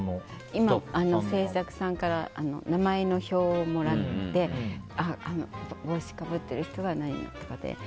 今、制作さんから名前の表をもらって帽子かぶってる人は何々さんで。